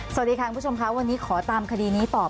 สวัสดีค่ะคุณผู้ชมค่ะวันนี้ขอตามคดีนี้ต่อ